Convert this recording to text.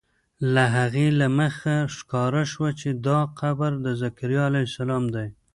له هغې له مخې ښکاره شوه چې دا قبر د ذکریا علیه السلام دی.